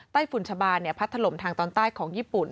ฝุ่นชะบานพัดถล่มทางตอนใต้ของญี่ปุ่น